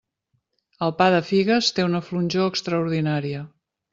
El pa de figues té una flonjor extraordinària.